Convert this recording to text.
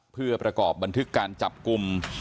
เพื่อประกอบบันทึกการจับกลุ่ม